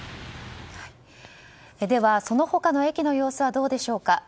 その他の駅の様子はどうでしょうか。